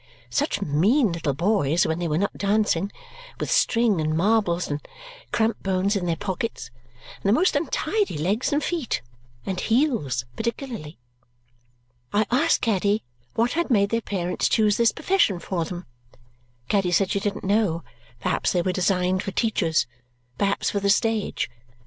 Such mean little boys, when they were not dancing, with string, and marbles, and cramp bones in their pockets, and the most untidy legs and feet and heels particularly. I asked Caddy what had made their parents choose this profession for them. Caddy said she didn't know; perhaps they were designed for teachers, perhaps for the stage.